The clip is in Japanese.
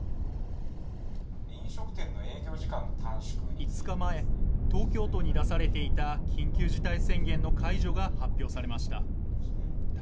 ５日前、東京都に出されていた緊急事態宣言の解除が発表されました。